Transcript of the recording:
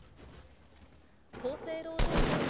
厚生労働省が